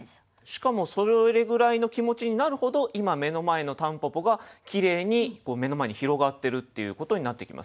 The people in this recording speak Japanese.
しかもそれぐらいの気持ちになるほど今目の前の蒲公英がきれいに目の前に広がってるっていうことになってきますよね。